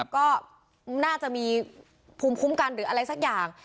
ก็น่าจะมีภูมิคุ้มกันหรืออะไรสักอย่าง